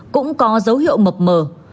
cũng có dấu hiệu mập mờ